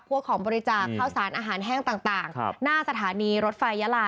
ของบริจาคข้าวสารอาหารแห้งต่างหน้าสถานีรถไฟยาลา